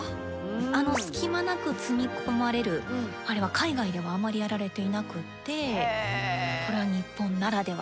あの隙間なく積み込まれるあれは海外ではあまりやられていなくってこれは日本ならでは。